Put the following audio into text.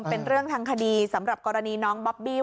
เป็นเรื่องทางคดีสำหรับกรณีน้องบอบบี้